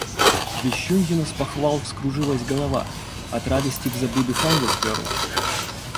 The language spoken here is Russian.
Вещуньина с похвал вскружилась голова. От радости в зобу дыханье сперло